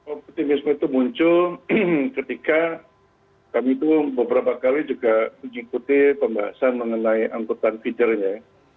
optimisme itu muncul ketika kami itu beberapa kali juga mengikuti pembahasan mengenai angkutan feedernya